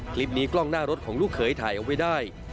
กล้องหน้ารถของลูกเขยถ่ายเอาไว้ได้